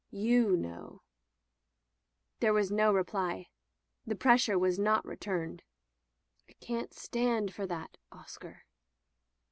''You know/' There was no reply. The pressure was not returned. "I can't stand for that, Oscar."